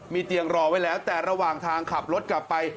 มีเตียงรอไว้แล้วแต่ระหว่างทางขับรถกลับไป